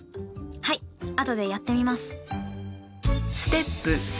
はい後でやってみます。